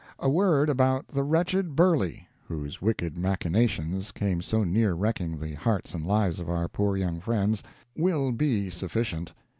A word about the wretched Burley, whose wicked machinations came so near wrecking the hearts and lives of our poor young friends, will be sufficient.